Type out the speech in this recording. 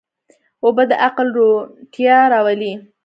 اوبه د عقل روڼتیا راولي.